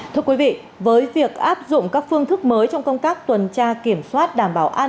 thưa quý vị với việc áp dụng các phương thức mới trong công tác tuần tra kiểm soát đảm bảo an